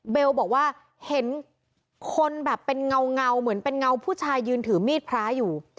บอกว่าเห็นคนแบบเป็นเงาเหมือนเป็นเงาผู้ชายยืนถือมีดพระอยู่